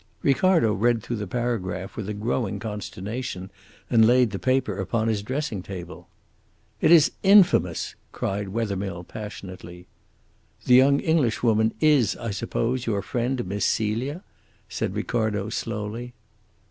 Ricardo read through the paragraph with a growing consternation, and laid the paper upon his dressing table. "It is infamous," cried Wethermill passionately. "The young Englishwoman is, I suppose, your friend Miss Celia?" said Ricardo slowly.